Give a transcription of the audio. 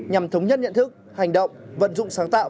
nhằm thống nhất nhận thức hành động vận dụng sáng tạo